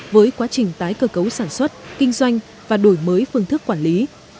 với quá trình tái cơ cấu sản xuất kinh doanh và đổi mới phương thức quản lý